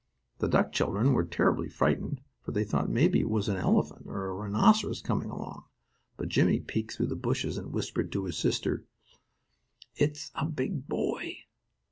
The duck children were terribly frightened, for they thought maybe it was an elephant or a rhinoceros coming along, but Jimmie peeked through the bushes and whispered to his sisters: "It's a big boy!"